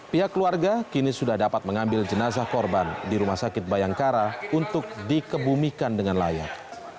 pihak keluarga kini sudah dapat mengambil jenazah korban di rumah sakit bayangkara untuk dikebumikan dengan layak